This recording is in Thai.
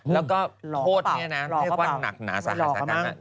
แล้วก็โฆษณ์เนี่ยนะเรียกว่าหนักหนาสหรัฐสถานการณ์